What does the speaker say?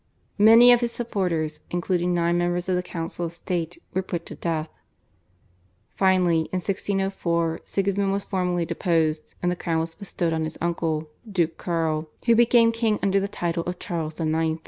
Many of his supporters, including nine members of the Council of State, were put to death. Finally in 1604 Sigismund was formally deposed, and the crown was bestowed on his uncle, Duke Karl, who became king under the title of Charles IX.